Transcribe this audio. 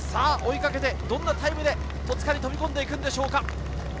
追いかけて、どんなタイムで戸塚に飛び込んでいくでしょうか。